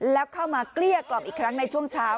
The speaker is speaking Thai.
แล้วเข้ามาเกลี้ยกล่อมอีกครั้งในช่วงเช้า